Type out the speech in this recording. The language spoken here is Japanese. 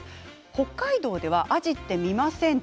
北海道ではアジは見ません。